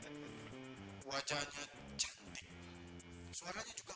katal vets ini adalah video yang akan di upload di youtube